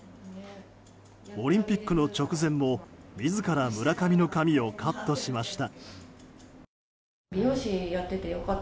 オリンピックの直前も自ら村上の髪をカットしました。